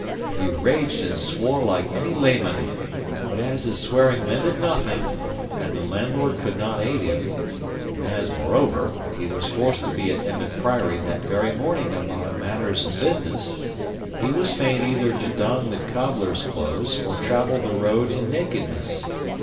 He raged and swore like any layman, but as his swearing mended nothing and the landlord could not aid him, and as, moreover, he was forced to be at Emmet Priory that very morning upon matters of business, he was fain either to don the cobbler's clothes or travel the road in nakedness.